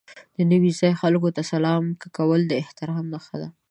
د نوي ځای خلکو ته سلام کول د احترام نښه ده.